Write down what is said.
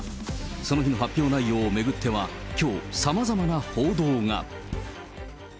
その日の発表内容を巡っては、きょう、さまざまな報道が。